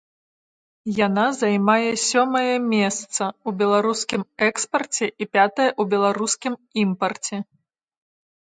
Яна займае сёмае месца ў беларускім экспарце і пятае ў беларускім імпарце.